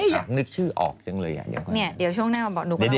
นักนึกชื่อออกจึงเลยอะเดี๋ยวค่ะ